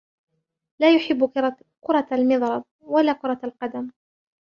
لا يحب كرة المضرب و لا كرة القدم.